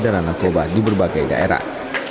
perdana narkoba di berbagai daerah